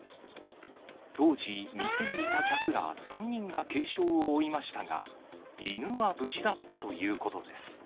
当時、店にいた客ら３人が軽傷を負いましたが、犬は無事だったということです。